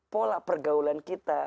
pola pergaulan kita